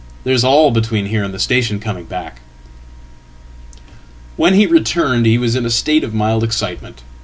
"There's all between here andthe station coming back."When he returned he was in a state of mild excitement.